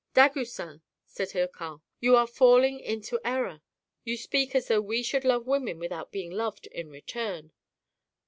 "Dagoucin," said Hircan, "you are falling into error. You speak as though we should love women without being loved in return."